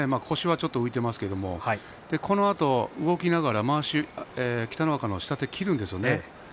ちょっと腰が浮いていますけれどこのあと動きながら北の若の下手を切るんですね。